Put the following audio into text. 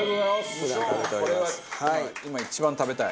これは今一番食べたい。